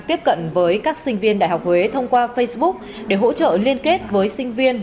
tiếp cận với các sinh viên đại học huế thông qua facebook để hỗ trợ liên kết với sinh viên